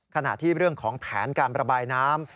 ขณะที่เรื่องของแผนการระบายน้ำ